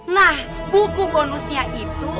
nah buku bonusnya itu